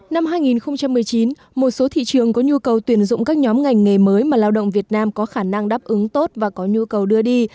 năm hai nghìn một mươi chín một số thị trường có nhu cầu tuyển dụng các nhóm ngành nghề mới mà lao động việt nam có khả năng đáp ứng tốt và có nhu cầu đưa đi